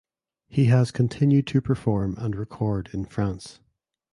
He has continued to perform and record in France.